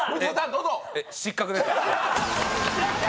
失格です。